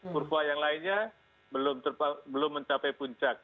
kurva yang lainnya belum mencapai puncak